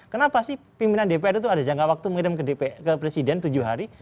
kenapa sih pimpinan dpr itu ada jangka waktu mengirim ke presiden tujuh hari